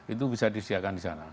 itu bisa disediakan di sana